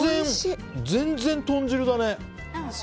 全然、豚汁だね。